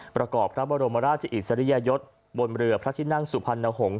ประกอบพระบรมราชอิสริยยศบนเรือพระที่นั่งสุพรรณหงษ